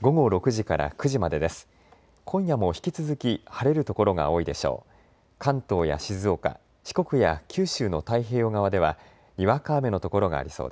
今夜も引き続き晴れる所が多いでしょう。